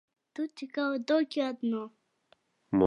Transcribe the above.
Тут цікава толькі адно.